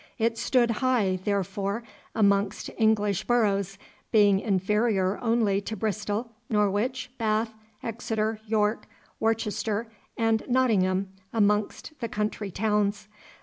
It stood high, therefore, amongst English boroughs, being inferior only to Bristol, Norwich, Bath, Exeter, York, Worcester, and Nottingham amongst the country towns.